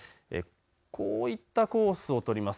こういったコースを通ります。